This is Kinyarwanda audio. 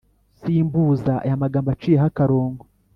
simbuza aya magambo aciyeho akarongo